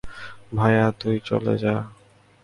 ভায়া, তুই চালিয়ে যা।